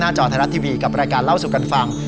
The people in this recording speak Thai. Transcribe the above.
จอไทยรัฐทีวีกับรายการเล่าสู่กันฟัง